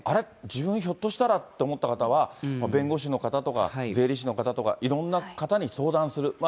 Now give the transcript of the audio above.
自分はひょっとしたらって思った方は、弁護士の方とか税理士の方とかいろんな方に相談する。